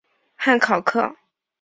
汉考克。